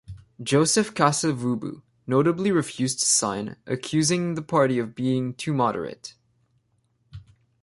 Joseph Kasa-Vubu notably refused to sign, accusing the party of being too moderate.